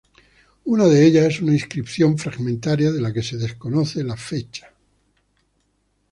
Una de ellas es una inscripción fragmentaria de la que se desconoce la fecha.